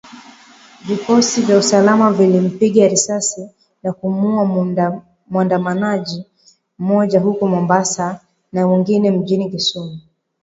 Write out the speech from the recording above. Vikosi vya usalama vilimpiga risasi na kumuuwa muandamanaji mmoja huko mombasa na mwingine mjini Kisumu.